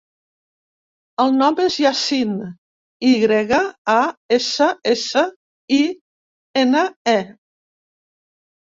El nom és Yassine: i grega, a, essa, essa, i, ena, e.